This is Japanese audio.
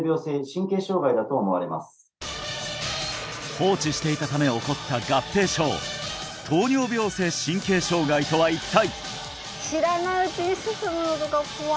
放置していたため起こった合併症糖尿病性神経障害とは一体！？